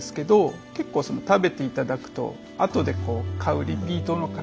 結構食べていただくとあとで買うリピートの方